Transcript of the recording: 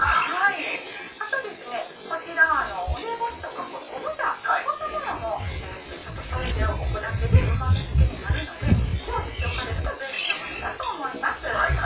あと、梅干しとか昆布茶こんなものもちょっと添えておくだけでうまみづけになるので常備しておかれると便利なものだと思います。